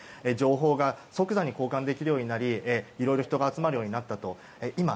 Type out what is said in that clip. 情報が即座に交換できるようになりいろいろ人が集まるようになったと。